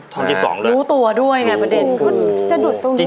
รู้ตัวด้วยไงประเด็น